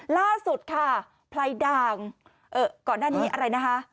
ล่าสุดค่ะไพรด่างก่อนหน้านี้อะไรนะคะ